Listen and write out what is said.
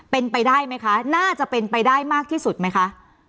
เป็นไปได้ไหมคะน่าจะเป็นไปได้มากที่สุดไหมคะ